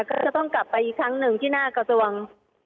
ก็จะต้องกลับไปอีกครั้งหนึ่งที่หน้ากระทรวง